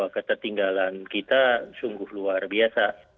ketertinggalan kita sungguh luar biasa